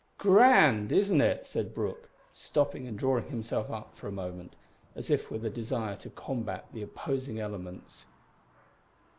"Grand! isn't it?" said Brooke, stopping and drawing himself up for a moment, as if with a desire to combat the opposing elements.